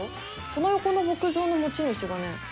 その横の牧場の持ち主がね